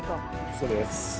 そうです。